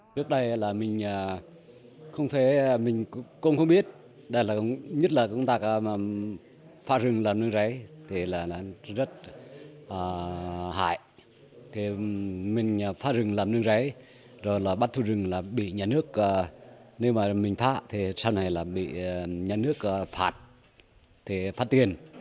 trước đây là mình không biết nhất là công tác pha rừng làm rừng ráy thì rất hại